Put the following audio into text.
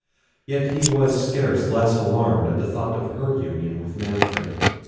Yet he was scarce less alarmed at the thought of her union with Manfred.